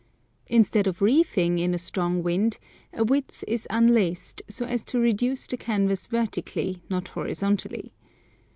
Instead of reefing in a strong wind, a width is unlaced, so as to reduce the canvas vertically, not horizontally.